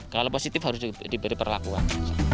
kalau positif harus diberi perlakuan